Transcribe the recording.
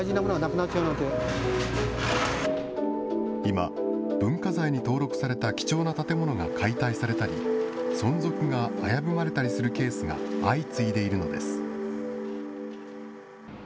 今、文化財に登録された貴重な建物が解体されたり、存続が危ぶまれたりするケースが相次いでいるのです。